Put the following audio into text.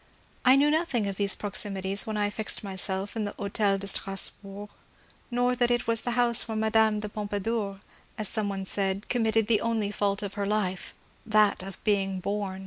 I knew nothing of these proximities when I fixed myself in the Hotel de Strasbourg, nor that it was the house where Madame de Pompadour, as some one said, oonmiitted the only fault of her life — that of being bom.